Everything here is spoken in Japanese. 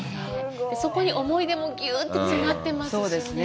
そこに思い出もギュッて詰まってますよね。